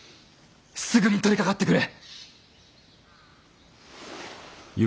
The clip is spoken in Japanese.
すぐに取りかかってくれ。